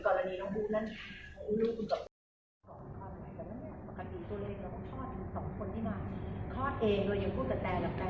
ปกติตัวเลขเราก็ทอดสองคนที่มาทอดเองโดยยังพูดกับแต่หลักแต่